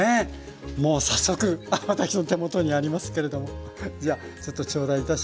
もう早速私の手元にありますけれどもじゃちょっと頂戴いたします。